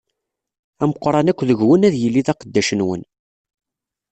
Ameqqran akk deg-wen ad yili d aqeddac-nwen.